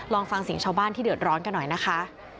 ลองฟังเสียงชาวบ้านที่เดือดร้อนกันหน่อยนะคะ